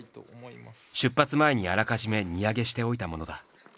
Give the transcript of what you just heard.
出発前にあらかじめ荷上げしておいたものだ。